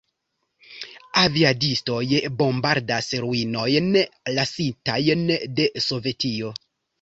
Aviadistoj bombardas ruinojn lasitajn de Sovetio.